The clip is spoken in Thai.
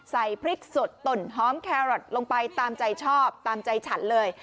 ใส่พริกสดต่นหอมแครอทลงไปตามใจชอบตามใจฉันเลย